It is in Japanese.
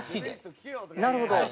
なるほど。